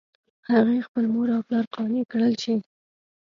هغې خپل مور او پلار قانع کړل چې